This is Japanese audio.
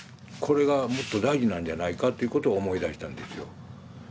これがもっと大事なんじゃないかということを思い出したんですよ。